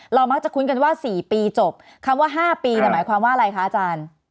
มักจะคุ้นกันว่า๔ปีจบคำว่า๕ปีหมายความว่าอะไรคะอาจารย์